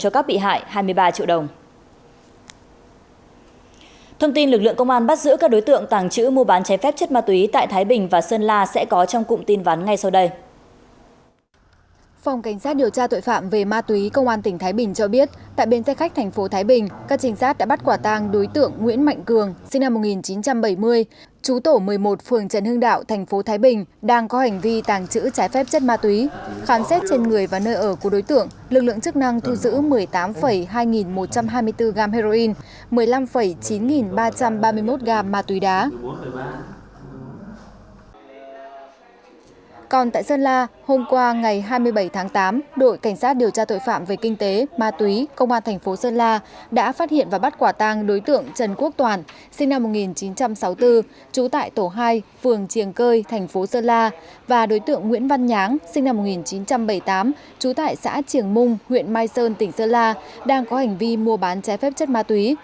còn tại sơn la hôm qua ngày hai mươi bảy tháng tám đội cảnh sát điều tra tội phạm về kinh tế ma túy công an thành phố sơn la đã phát hiện và bắt quả tang đối tượng trần quốc toàn sinh năm một nghìn chín trăm sáu mươi bốn chú tại tổ hai phường triềng cơi thành phố sơn la và đối tượng nguyễn văn nháng sinh năm một nghìn chín trăm bảy mươi tám chú tại xã triềng mung huyện mai sơn tỉnh sơn la đang có hành vi mua bán trái phép chất ma túy